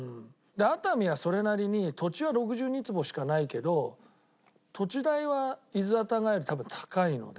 熱海はそれなりに土地は６２坪しかないけど土地代は伊豆熱川より多分高いので。